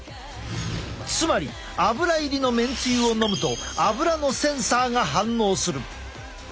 つまりアブラ入りのめんつゆを飲むとアブラのセンサーが反応する。